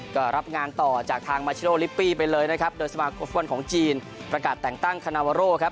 ก็รับงานต่อจากทางมาชิโนลิปปี้ไปเลยนะครับโดยสมาคมฟุตบอลของจีนประกาศแต่งตั้งคานาวาโร่ครับ